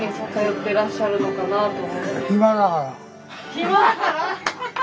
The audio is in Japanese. ・暇だから？